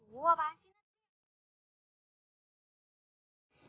gue apaan sih